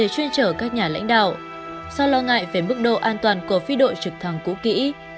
sau lo ngại về mức độ an toàn của phi đội trực thăng cũ kỹ